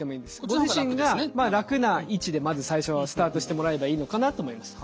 ご自身がまあ楽な位置でまず最初はスタートしてもらえればいいのかなと思います。